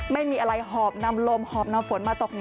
ไม่มีอะไรหอบนำลมหอบนำฝนมาตก